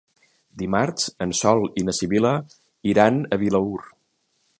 Dimarts en Sol i na Sibil·la iran a Vilaür.